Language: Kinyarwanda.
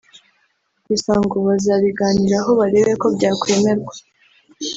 gusa ngo bazabiganiraho barebe ko byakwemerwa